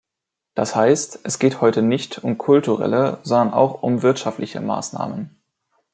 Das heißt, es geht heute nicht um kulturelle, sondern auch um wirtschaftliche Maßnahmen.